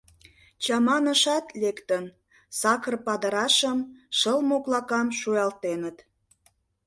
Чаманышат лектын: сакыр падырашым, шыл моклакам шуялтеныт.